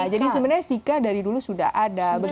jadi sebenarnya zika dari dulu sudah ada